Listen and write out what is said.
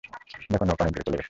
দেখো, নৌকা অনেক দূরে চলে গেছে।